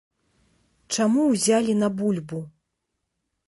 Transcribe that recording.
Чаму ўзялі на бульбу?